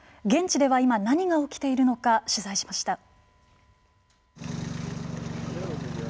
現地では今何が起きているのか取材しました。